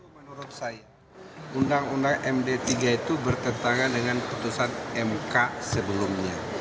menurut saya undang undang md tiga itu bertentangan dengan putusan mk sebelumnya